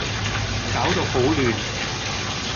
攪到好亂